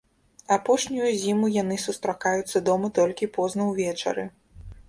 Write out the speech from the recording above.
Апошнюю зіму яны сустракаюцца дома толькі позна увечары.